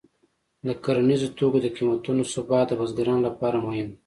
د کرنیزو توکو د قیمتونو ثبات د بزګرانو لپاره مهم دی.